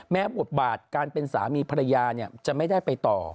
บทบาทการเป็นสามีภรรยาจะไม่ได้ไปต่อ